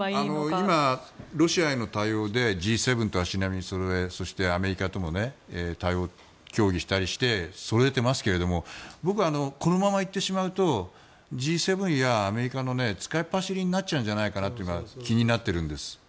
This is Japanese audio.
今、ロシアへの対応でＧ７と足並みをそろえそしてアメリカとも対応を協議したりしてそろえていますけど僕はこのままいってしまうとＧ７やアメリカの使いっ走りになっちゃうんじゃないかと気になっているんです。